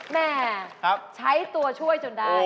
แม่ใช้ตัวช่วยจนได้